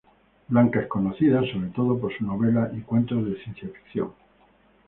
Blanca es conocida, sobre todo, por sus novelas y cuentos de ciencia ficción.